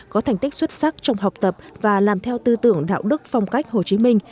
có thành tích xuất sắc trong học tập và làm theo tư tưởng đạo đức phong cách hồ chí minh